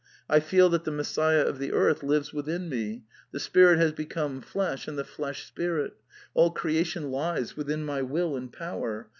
I feel that the Messiah of the earth lives within me. The spirit has become flesh and the flesh spirit. All creation lies within my will and power.